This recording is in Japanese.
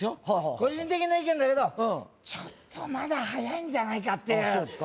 個人的な意見だけどちょっとまだ早いんじゃないかとああそうですか？